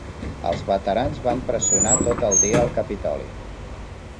Els veterans van pressionar tot el dia el Capitoli.